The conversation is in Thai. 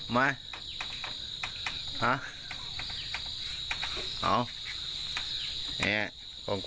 แก้วไปดูกันหน่อยค่ะ